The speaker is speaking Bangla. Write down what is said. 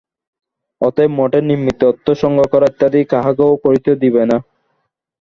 অতএব মঠের নিমিত্ত অর্থ সংগ্রহ করা ইত্যাদি কাহাকেও করিতে দিবে না।